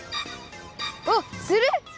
あっする！？